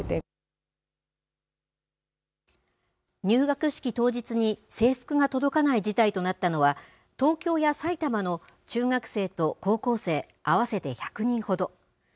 入学式当日に制服が届かない事態となったのは、東京や埼玉の中学生と高校生合わせて１００人ほど。